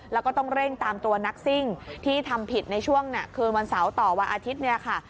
แล้วก็ต้องเร่งตามตัวนักซิ่งที่ทำผิดในช่วงคืนวันเสาร์ต่อวันอาทิตย์เนี่ยค่ะ